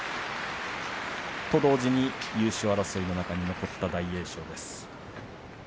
と同時に優勝争いの中に残った大栄翔です。